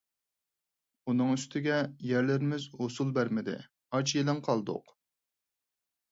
ئۇنىڭ ئۈستىگە، يەرلىرىمىز ھوسۇل بەرمىدى. ئاچ - يېلىڭ قالدۇق.